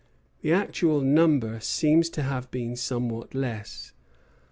The actual number seems to have been somewhat less.